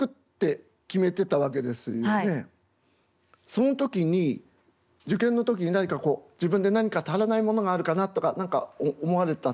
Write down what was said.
その時に受験の時に何かこう自分で何か足らないものがあるかなとか何か思われた？